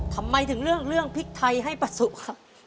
ทำไมถึงเลือกพริกไทยให้ปะสุครับ